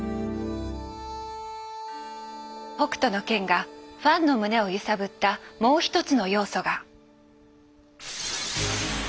「北斗の拳」がファンの胸を揺さぶったもう一つの要素が。